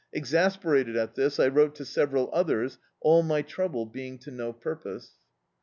Exasperated at this I wrote to several others, all my trouble being to no purpose.